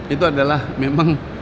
itu adalah memang